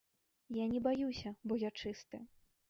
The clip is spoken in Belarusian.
Я не баюся, бо я чысты.